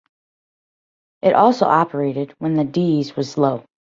It also operated when the Dieze was low.